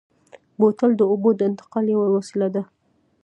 بوتل د اوبو د انتقال یوه وسیله ده.